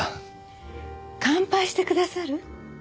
乾杯してくださる？